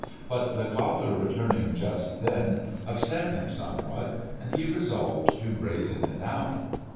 But the cobbler returning just then upset him somewhat, and he resolved to brazen it out.